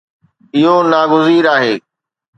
اهو ناگزير آهي